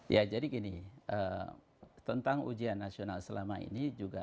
ya jadi gini tentang ujian nasional selama ini juga